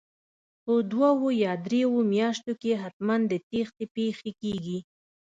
په دوو یا درو میاشتو کې حتمن د تېښتې پېښې کیږي